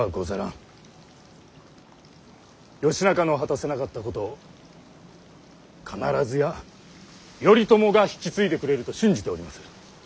義仲の果たせなかったこと必ずや頼朝が引き継いでくれると信じております。